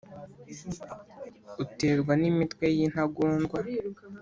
uterwa n’imitwe y’intagondwa